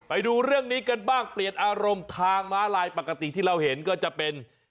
ไปดูเรื่องนี้กันบ้างเปลี่ยนอารมณ์ทางม้าลายปกติที่เราเห็นก็จะเป็น